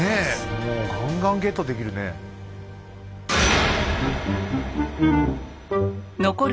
もうガンガンゲットできるね。